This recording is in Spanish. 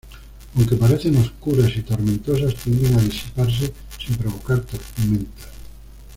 Aunque parecen oscuras y tormentosas, tienden a disiparse sin provocar tormentas.